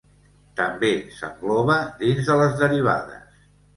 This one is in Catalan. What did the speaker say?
També s'engloba dins de les derivades.